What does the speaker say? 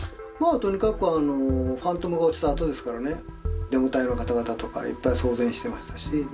とにかくあのファントムが落ちたあとですからねデモ隊の方々とかいっぱい騒然してましたしま